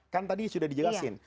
kan tadi sudah dijelasin